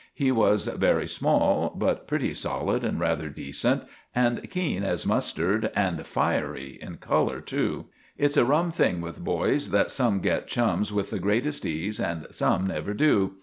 He was very small, but pretty solid and rather decent, and keen as mustard, and fiery in colour too. It's a rum thing with boys, that some get chums with the greatest ease and some never do.